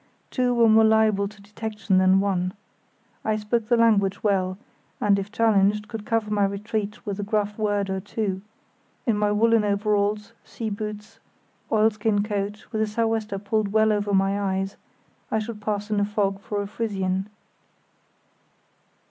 Two were more liable to detection than one. I spoke the language well, and if challenged could cover my retreat with a gruff word or two; in my woollen overalls, sea boots, oilskin coat, with a sou' wester pulled well over my eyes, I should pass in a fog for a Frisian.